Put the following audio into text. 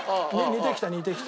似てきた似てきた。